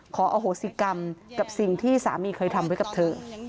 ขออโหสิกรรมกับสิ่งที่สามีเคยทำไว้กับเธอ